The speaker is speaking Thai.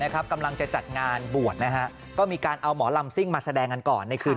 กำลังจะจัดงานบวชนะฮะก็มีการเอาหมอลำซิ่งมาแสดงกันก่อนในคืน